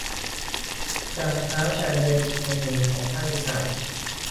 การค้าชายแดนอีกแห่งหนึ่งของภาคอีสาน